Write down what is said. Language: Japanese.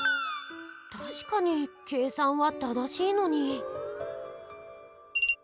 たしかに計算は正しいのに。